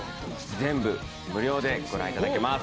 全部無料でご覧いただけます。